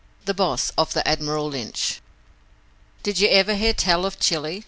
The Boss of the 'Admiral Lynch' Did you ever hear tell of Chili?